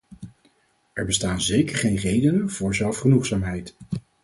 Er bestaan zeker geen redenen voor zelfgenoegzaamheid.